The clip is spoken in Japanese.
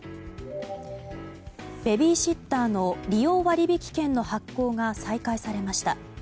ベビーシッターの利用割引券の発行が再開されました。